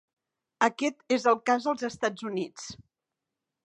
Aquest és el cas als Estats Units.